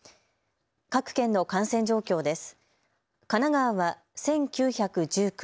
各県の感染状況です。